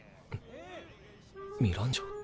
ミランジョ？